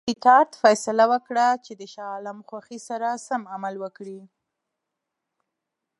وینسیټارټ فیصله وکړه چې د شاه عالم خوښي سره سم عمل وکړي.